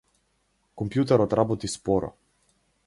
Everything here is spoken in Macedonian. Компјутерот работи споро.